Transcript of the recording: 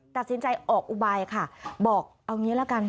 ตัดสินใจออกอุบายค่ะบอกเอางี้ละกัน